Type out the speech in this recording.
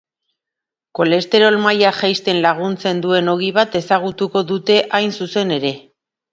Kolesterol maila jaisten laguntzen duen ogi bat ezagutuko dute hain zuzen ere.